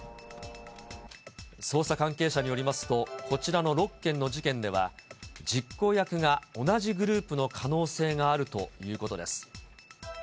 捜査関係者によりますと、こちらの６件の事件では、実行役が同じグループの可能性があるということです。